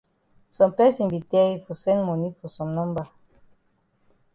Some person be tell yi for send moni for some number.